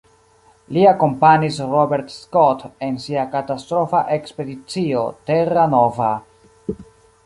Li akompanis Robert Scott en sia katastrofa Ekspedicio Terra Nova.